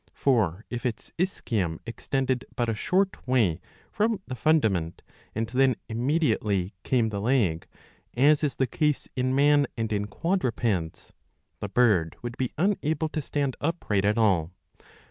For if its ischium extended but a short way from the fundament, and then immediately came the leg, as is the case in man and in quadrupeds, the bird would be unable to stand upright at all.